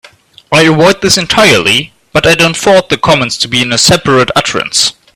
I avoid this entirely, but I don't force the commands to be in a separate utterance.